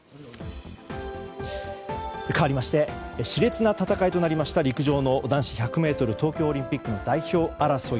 かわりまして熾烈な戦いとなりました、陸上の男子１００ｍ東京オリンピックの代表争い。